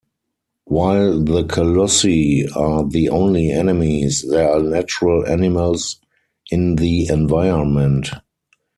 While the colossi are the only enemies, there are natural animals in the environment.